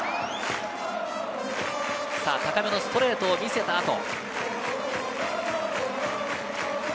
高めのストレートを見せた後。